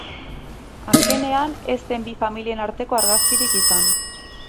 Azkenean, ez zen bi familien arteko argazkirik izan.